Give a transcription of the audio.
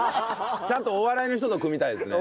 ちゃんとお笑いの人と組みたいですね。